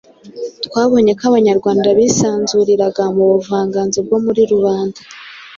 Twabonye ko Abanyarwanda bisanzuriraga mu buvanganzo bwo muri rubanda